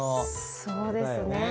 そうですね。